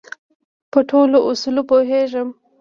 په ټولو اصولو پوهېږم.